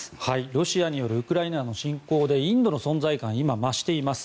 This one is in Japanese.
ロシアによるウクライナの侵攻でインドの存在感が今、増しています。